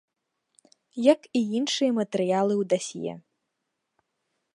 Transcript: Як і іншыя матэрыялы ў дасье.